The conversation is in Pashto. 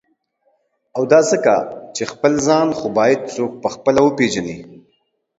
او دا ځکه چی » خپل ځان « خو باید څوک په خپله وپیژني.